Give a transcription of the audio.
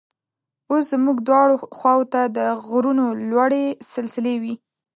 اوس زموږ دواړو خواو ته د غرونو لوړې سلسلې وې.